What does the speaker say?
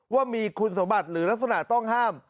ว่ามีคุณสมบัติหรือลักษณะต้องห้าม